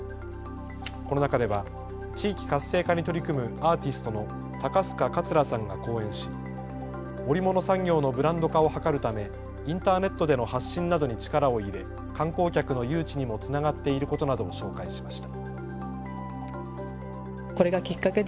この中では地域活性化に取り組むアーティストの高須賀活良さんが講演し織物産業のブランド化を図るためインターネットでの発信などに力を入れ観光客の誘致にもつながっていることなどを紹介しました。